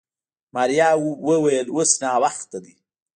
ماريا وويل اوس ناوخته دی.